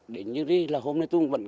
xin chào và chúc các bisa chúc là cm